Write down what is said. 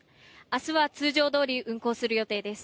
明日は通常どおり運航する予定です。